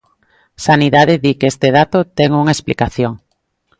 Sanidade di que este dato ten unha explicación.